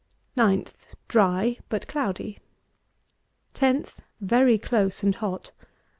_ 9th. Dry but cloudy. 10th. Very close and hot.